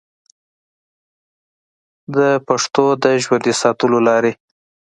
د پښتو د ژوندي ساتلو لارې